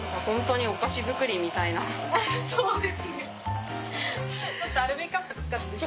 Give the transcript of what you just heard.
そうですね。